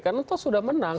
karena toh sudah menang